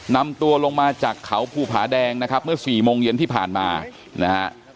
นำตัวลงมาจากเขาภูผาแดงนะครับเมื่อสี่โมงเย็นที่ผ่านมานะฮะ